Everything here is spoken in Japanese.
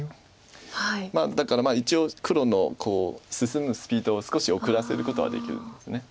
まあだから一応黒の進むスピードを少し遅らせることはできるんです。